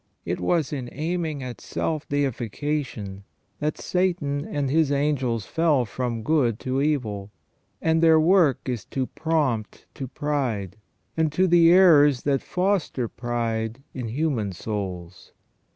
It was in aiming at self deification that Satan and his angels fell from good to evil, and their work is to prompt to pride, and to the errors that foster pride in human souls.